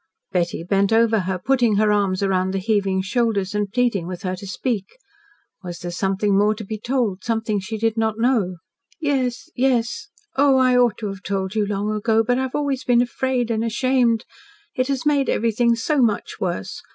Betty bent over her, putting her arms round the heaving shoulders, and pleading with her to speak. Was there something more to be told, something she did not know? "Yes, yes. Oh, I ought to have told you long ago but I have always been afraid and ashamed. It has made everything so much worse.